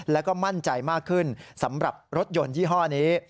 แล้วก็มั่นใจมากขึ้นสำหรับรถยนต์ยี่ห้อนี้